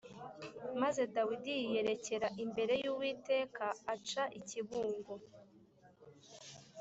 Maze Dawidi yiyerekera imbere y’Uwiteka aca ikibungo